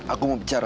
aku mau kemana